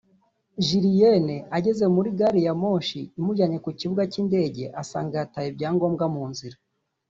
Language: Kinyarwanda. Julien ageze muri gari ya moshi imujyanye ku kibuga cy’indege asanga yataye ibyangombwa mu nzira